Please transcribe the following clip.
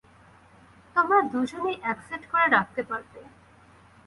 তোমরা দুজনই এক সেট করে রাখতে পারবে।